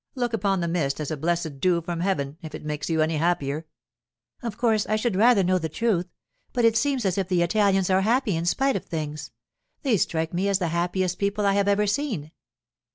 Look upon the mist as a blessed dew from heaven, if it makes you any happier.' 'Of course I should rather know the truth, but it seems as if the Italians are happy in spite of things. They strike me as the happiest people I have ever seen.